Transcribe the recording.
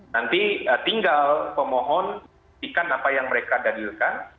nanti tinggal pemohon dikatakan apa yang mereka danilkan